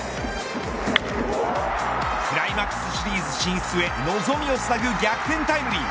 クライマックスシリーズ進出へ望みをつなぐ逆転タイムリー。